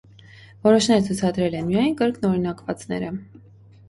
Որոշները ցուցադրել են միայն կրկնօրինակվածները։